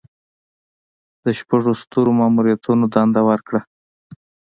د شپږو سترو ماموریتونو دنده ورکړه.